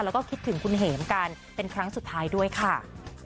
แล้วก็คิดถึงคุณเหมกันเป็นครั้งสุดท้ายด้วยค่ะ